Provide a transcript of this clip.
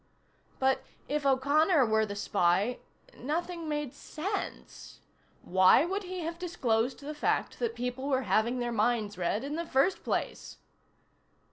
But if O'Connor were the spy, nothing made sense. Why would he have disclosed the fact that people were having their minds read in the first place?